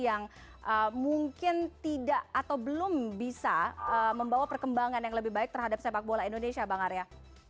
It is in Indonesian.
yang mungkin tidak atau belum bisa membawa perkembangan yang lebih baik terhadap sepak bola indonesia bang arya